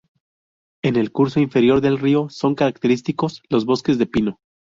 En el curso inferior del río son característicos los bosques de pino.